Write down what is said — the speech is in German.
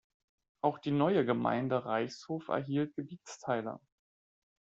Auch die neue Gemeinde Reichshof erhielt Gebietsteile.